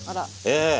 ええ。